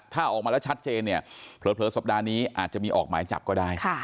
ถ้าออกมาแล้วชัดเจนเนี่ยเผลอสัปดาห์นี้อาจจะมีออกหมายจับก็ได้